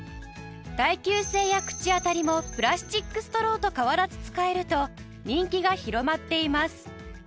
耐久性や口当たりもプラスチックストローと変わらず使えると人気が広まっています